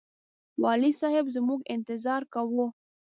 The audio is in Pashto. والي صاحب زموږ انتظار کاوه.